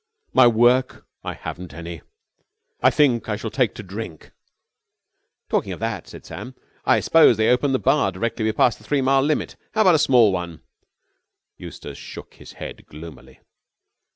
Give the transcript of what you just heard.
My work? I haven't any. I think I shall take to drink." "Talking of that," said Sam, "I suppose they open the bar directly we pass the three mile limit. How about a small one?" Eustace shook his head gloomily.